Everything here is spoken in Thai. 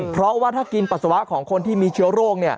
เพราะว่าถ้ากินปัสสาวะของคนที่มีเชื้อโรค